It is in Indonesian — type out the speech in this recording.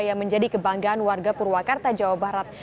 yang menjadi kebanggaan warga purwakarta jawa barat